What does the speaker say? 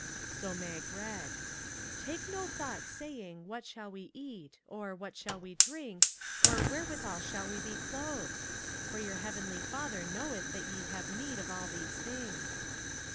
So Mag read :" Take no thought saying, 'What shall we eat?' or, 'What shall we 299 MAG AND MARGARET drink? ' or, ' Wherewithal shall we be clothed?' For your heavenly Father knoweth that ye have need of all these things."